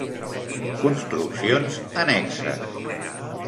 Construccions annexes.